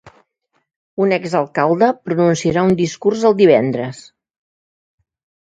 Un exalcalde pronunciarà un discurs el divendres.